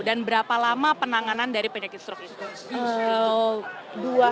dan berapa lama penanganan dari penyakit stroke itu